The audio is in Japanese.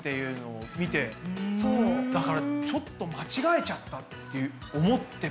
だからちょっと間違えちゃったって思っても。